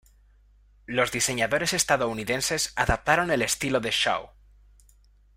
Los diseñadores estadounidenses, adaptaron el estilo de Shaw.